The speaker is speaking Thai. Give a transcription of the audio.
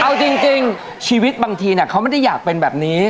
เอาจริงชีวิตบางทีเขาไม่ได้อยากเป็นแบบนี้